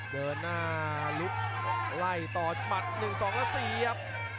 เดินหน้าลุกไล่ต่อหมัด๑๒แล้วเสียบ